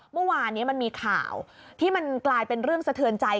เมื่อวานนี้มันมีข่าวที่มันกลายเป็นเรื่องสะเทินใจ